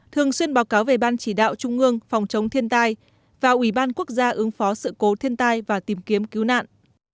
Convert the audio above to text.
thường xuyên báo cáo về ban chỉ đạo trung ương phòng chống thiên tai và ủy ban quốc gia ứng phó sự cố thiên tai và tìm kiếm cứu nạn